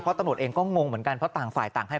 เพราะโดยงกงงเหมือนกันเพราะต่างฝ่ายตากให้